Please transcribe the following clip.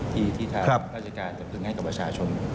ที่ทางราชการจะพึ่งให้กับประชาชน